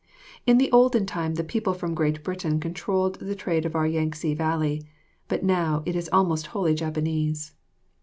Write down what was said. In the olden time the people from Great Britain controlled the trade of our Yang tse Valley, but now it is almost wholly Japanese.